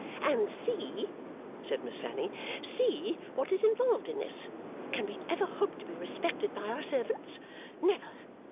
'And see,' said Miss Fanny, 'see what is involved in this! Can we ever hope to be respected by our servants? Never.